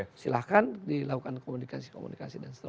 jadi kita akan dilakukan komunikasi komunikasi dan seterusnya